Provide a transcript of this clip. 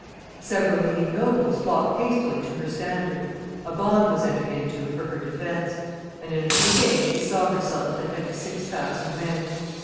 Several leading nobles flocked hastily to her standard; a bond was entered into for her defence, and in a few days she saw herself at the head of six thousand men.